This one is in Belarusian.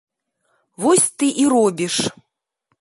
Вось ты і робіш.